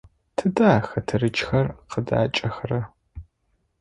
Тыдэ хэтэрыкӏхэр къыдакӏэхэра?